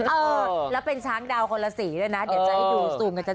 เออแล้วเป็นช้างดาวคนละสีด้วยนะเดี๋ยวจะให้ดูซูมกันชัด